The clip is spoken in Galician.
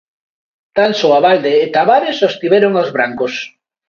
Tan só Abalde e Tavares sostiveron aos brancos.